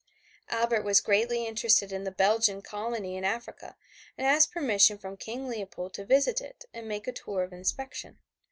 Albert was greatly interested in the Belgian colony in Africa and asked permission from King Leopold to visit it and make a tour of inspection.